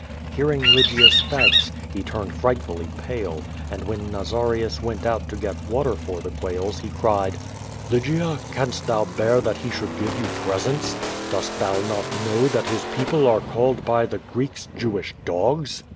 Hearing Lygia's tlianks, he turned frightfully pale, and when Nazarius went out to get water for the quails, he cried: "Lygia, canst thou bear that he should give you presents? Dost thou not know that his people are called by the Greeks Jewish dogs?"